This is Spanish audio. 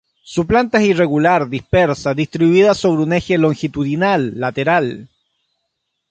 Su planta es irregular dispersa distribuida sobre un eje longitudinal lateral.